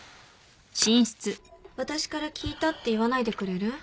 私から聞いたって言わないでくれる？